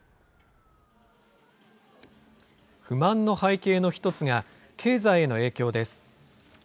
不満の背景の一つが、経済への影響です。